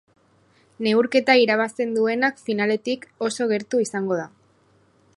Neurketa irabazten duena finaletik oso gertu izango da.